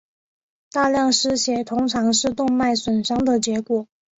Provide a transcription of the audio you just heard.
大量失血通常是动脉损伤的结果。